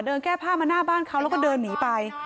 แก้ผ้ามาหน้าบ้านเขาแล้วก็เดินหนีไป